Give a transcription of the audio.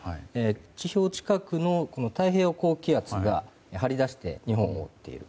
地表近くの太平洋高気圧が張り出して日本を覆っている。